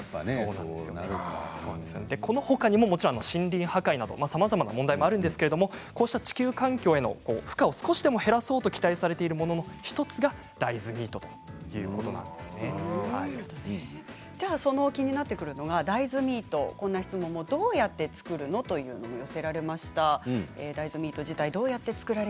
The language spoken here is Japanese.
このほかにももちろん森林破壊などさまざまな問題があるんですがこうした地球環境への負荷を少しでも減らそうと期待されているものの１つが気になってくるのが大豆ミート、どうやって作るの？ということも寄せられました。